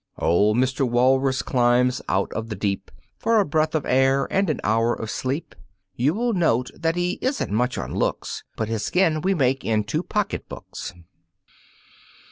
Old Mr. Walrus climbs out of the deep For a breath of air and an hour of sleep. You will note that he isn't much on looks But his skin we make into pocket books.